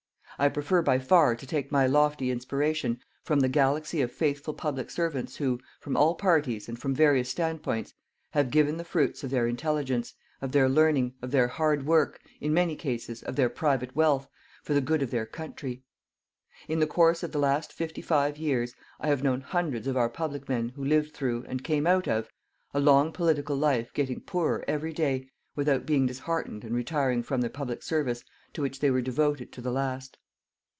I prefer by far to take my lofty inspiration from the galaxy of faithful public servants who, from all parties, and from various standpoints, have given the fruits of their intelligence, of their learning, of their hard work and in many cases of their private wealth, for the good of their country. In the course of the last fifty five years, I have known hundreds of our public men who lived through, and came out of, a long political life getting poorer every day without being disheartened and retiring from the public service to which they were devoted to the last.